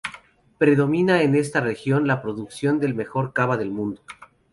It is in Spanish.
Predomina en esta región la producción del mejor cava del mundo.